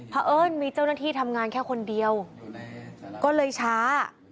เพราะเอิญมีเจ้าหน้าที่ทำงานแค่คนเดียวก็เลยช้า